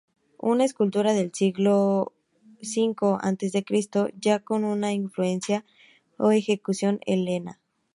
Una escultura del siglo V a. C., ya con una influencia o ejecución helena.